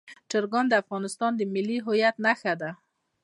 چرګان د افغانستان د ملي هویت نښه ده.